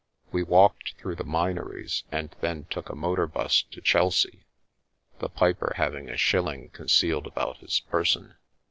We walked through the Minories and then took a motor bus to Chelsea, the piper having a shilling con cealed about his person.